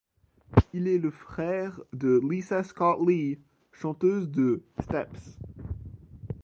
Il est le frère de Lisa Scott-Lee, chanteuse de Steps.